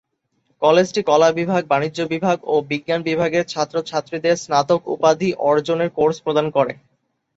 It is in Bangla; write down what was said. কলেজটি কলাবিভাগ, বাণিজ্য বিভাগ ও বিজ্ঞান বিভাগের ছাত্রছাত্রীদের স্নাতক উপাধি অর্জনের কোর্স প্রদান করে।